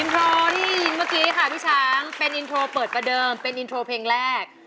โทรที่ยินเมื่อกี้ค่ะพี่ช้างเป็นอินโทรเปิดประเดิมเป็นอินโทรเพลงแรก